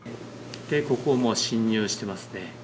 ここ、もう侵入してますね。